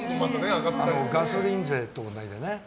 ガソリン税と同じでね。